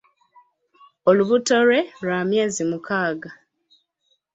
Olubuto lwe lwa myezi mukaaga.